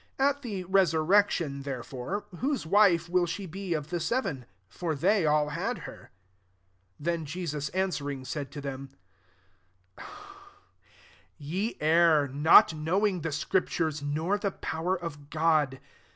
28 At the resurrection, bereforc, whose wife will she e of the seven ? for they all lad her." 29 Then Jesus an wering, said to them, " Ye err, lot knowing the scriptures, nor he power of God.